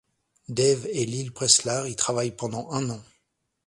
Dave et Lyle Preslar y travaillent pendant un an.